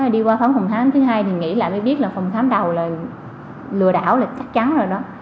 đi qua phòng khám thứ hai thì nghĩ là mới biết là phòng khám đầu là lừa đảo lịch chắc chắn rồi đó